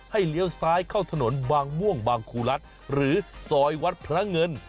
เลี้ยวซ้ายเข้าถนนบางม่วงบางครูรัฐหรือซอยวัดพระเงิน